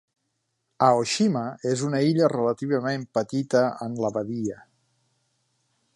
Aoshima és una illa relativament petita en la badia.